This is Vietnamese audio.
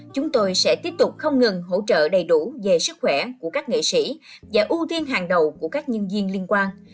chúng tôi sẽ tiếp tục không ngừng hỗ trợ đầy đủ về sức khỏe của các nghệ sĩ và ưu tiên hàng đầu của các nhân viên liên quan